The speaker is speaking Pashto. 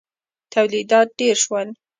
تولیدات ډېر شول.